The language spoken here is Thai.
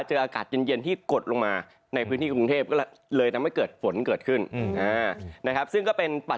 เจออากาศเย็นที่กดลงมา